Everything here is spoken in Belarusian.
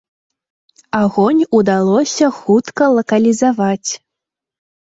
Агонь удалося хутка лакалізаваць.